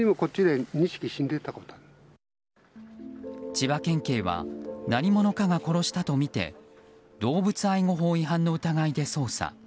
千葉県警は何者かが殺したとみて動物愛護法違反の疑いで捜査。